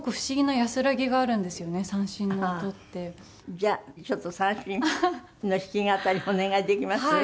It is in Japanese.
じゃあちょっと三線の弾き語りお願いできます？